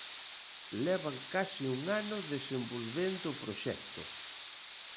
Levan case un ano desenvolvendo o proxecto.